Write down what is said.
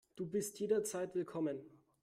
Du bist jederzeit willkommen.